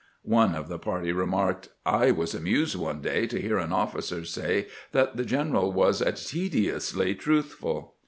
One of the party remarked: " I was amused one day to hear an officer say that the general was 'tediously truthful.'